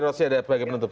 terus ada bagian penutup